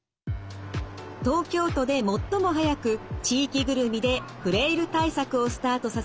東京都で最も早く地域ぐるみでフレイル対策をスタートさせた西東京市。